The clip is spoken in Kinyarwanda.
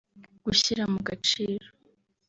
gushyira mu gaciro